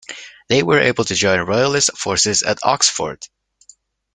They were able to join Royalist forces at Oxford.